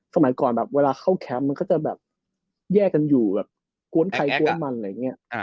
สมัยก่อนแบบเวลาเข้าแคมป์มันก็จะแบบแยกกันอยู่แบบกวนใครกวนมันอะไรอย่างนี้